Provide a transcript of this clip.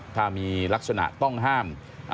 ถ้ามีลักษณะต้องห้าม